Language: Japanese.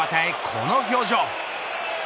この表情。